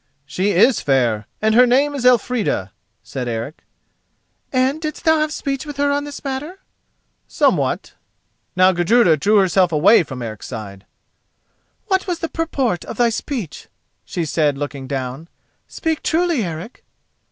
"She is fair, and her name is Elfrida," said Eric. "And didst thou have speech with her on this matter?" "Somewhat." Now Gudruda drew herself away from Eric's side. "What was the purport of thy speech?" she said, looking down. "Speak truly, Eric."